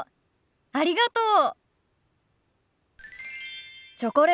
ありがとう。